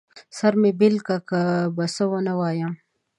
سر مې بېل که، څه به ونه وايم.